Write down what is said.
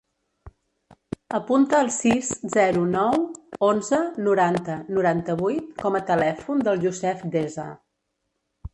Apunta el sis, zero, nou, onze, noranta, noranta-vuit com a telèfon del Yousef Deza.